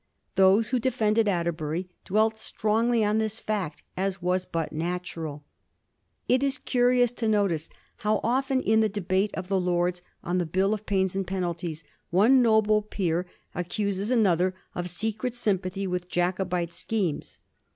Those who defended Atterbury dwelt strongly on this fact, as was but natural. It is curious to notice how often in the debates of the Lords on the Bill of Pains and Penalties one noble peer accuses another of secret sympathy with Jacobite schemes.